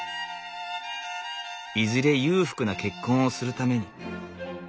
「いずれ裕福な結婚をするために」。